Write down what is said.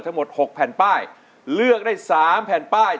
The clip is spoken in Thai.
ทั้งหมด๖แผ่นป้ายเลือกได้๓แผ่นป้าย